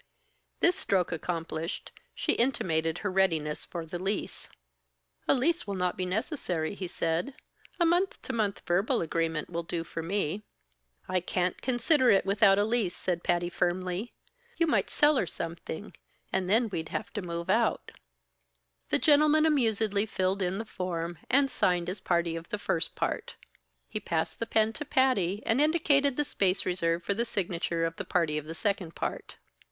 This stroke accomplished, she intimated her readiness for the lease. "A lease will not be necessary," he said. "A month to month verbal agreement will do for me." "I can't consider it without a lease," said Patty, firmly. "You might sell or something, and then we'd have to move out." The gentleman amusedly filled in the form, and signed as party of the first part. He passed the pen to Patty and indicated the space reserved for the signature of the party of the second part.